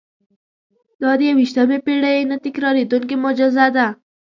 دا د یوویشتمې پېړۍ نه تکرارېدونکې معجزه ده.